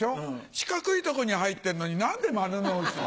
四角いとこに入ってんのに何で「丸の内」なんだろう？